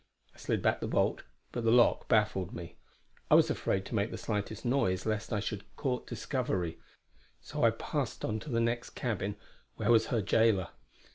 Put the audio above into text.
I slid back the bolt, but the lock baffled me. I was afraid to make the slightest noise, lest I should court discovery; so I passed on to the next cabin where was her jailer.